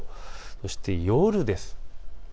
そして夜です。